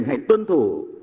hãy tuân thủ